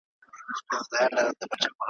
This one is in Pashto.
د جنګ منځ ته به ور ګډ لکه زمری سو `